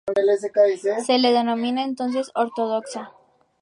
Se la denomina entonces ortodoxa.